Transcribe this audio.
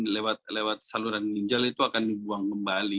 lewat saluran ginjal itu akan dibuang kembali